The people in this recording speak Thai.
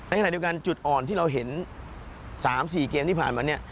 ขณะเดียวกันจุดอ่อนที่เราเห็น๓๔เกมที่ผ่านมาเนี่ย